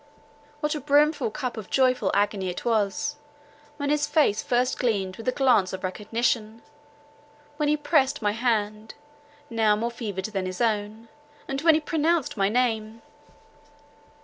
What a brimful cup of joyful agony it was, when his face first gleamed with the glance of recognition—when he pressed my hand, now more fevered than his own, and when he pronounced my name!